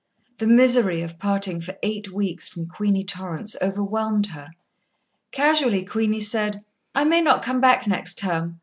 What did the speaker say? The misery of parting for eight weeks from Queenie Torrance overwhelmed her. Casually, Queenie said: "I may not come back, next term.